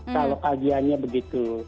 kalau kajiannya begitu